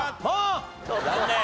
残念。